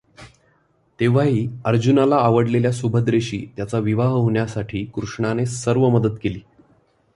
तेव्हाही अर्जुनाला आवडलेल्या सुभद्रेशी त्याचा विवाह होण्यासाठी कृष्णाने सर्व मदत केली.